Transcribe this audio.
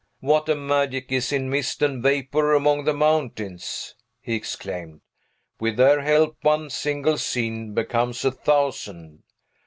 "What a magic is in mist and vapor among the mountains!" he exclaimed. "With their help, one single scene becomes a thousand.